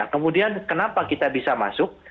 kemudian kenapa kita bisa masuk